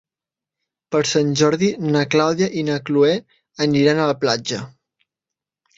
Per Sant Jordi na Clàudia i na Cloè aniran a la platja.